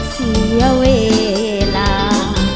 เสียเวลา